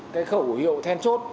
cái khẩu hữu then chốt